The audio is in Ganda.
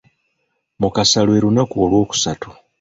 Mukasa lwe lunaku olwokusatu